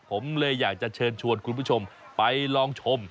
ผมเลยอยากจะเชิญชวนคุณผู้ชมไปลองชม